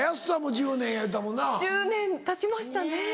１０年たちましたね。